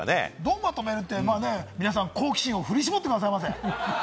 どうまとめるって、皆さん、好奇心、振り絞ってくださいませ。